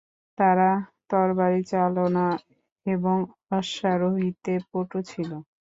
তারা তরবারি চালনা এবং অশ্বারোহিতে পটু ছিল।